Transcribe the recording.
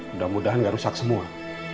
mudah mudahan nggak rusak semua